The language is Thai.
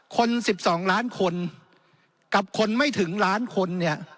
คน๑๒ล้านคนกับคนไม่ถึงล้านคนเนี่ย